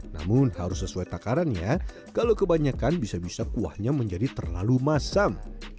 namun harus sesuai takaran ya kalau kebanyakan bisa bisa kuahnya menjadi terlalu masam